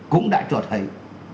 cũng đã trở thấy